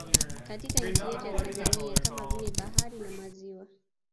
Katika nchi yetu ya Tanzania kama vile bahari na maziwa